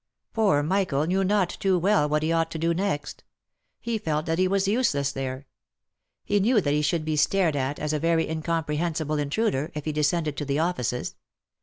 Poor Michael knew not too well what he ought to do next. He felt that he was useless there ; he knew that he should be stared at, as a very incomprehensible intruder, if he descended to the offices.